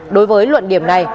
đối với luận điểm này